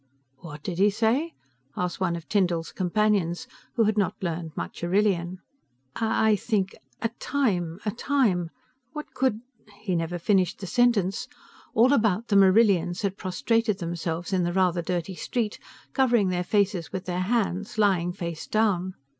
"What did he say?" asked one of Tyndall's companions, who had not learned much Arrillian. "I I think, 'A Time! A Time!' What could ..." he never finished the sentence, all about them Arrillians had prostrated themselves in the rather dirty street, covering their faces with their hands, lying face down.